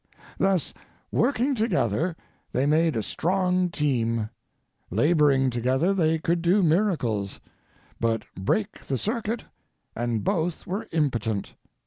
Thus, working together, they made a strong team; laboring together, they could do miracles; but break the circuit, and both were impotent.